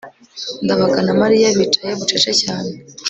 ndabaga na mariya bicaye bucece cyane